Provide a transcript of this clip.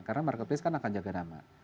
karena marketplace kan akan jaga nama